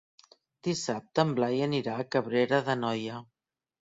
Dissabte en Blai anirà a Cabrera d'Anoia.